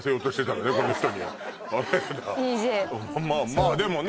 まあでもね